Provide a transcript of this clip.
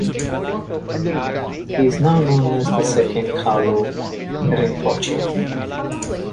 He is now known as the Second Kalu Rinpoche.